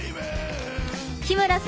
日村さん